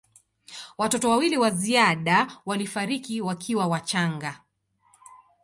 Watoto wawili wa ziada walifariki wakiwa wachanga.